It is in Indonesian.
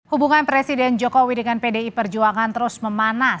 hubungan presiden jokowi dengan pdi perjuangan terus memanas